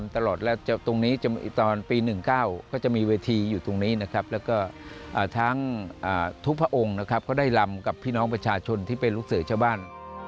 ตอนปี๑๙ก็จะมีเวทีอยู่ตรงนี้ทุกพระองค์ได้รำกับพี่น้องประชาชนที่เป็นลูกเสือชาวบ้าน